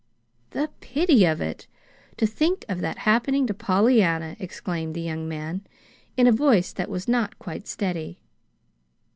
"The pity of it! to think of that happening to Pollyanna!" exclaimed the young man, in a voice that was not quite steady.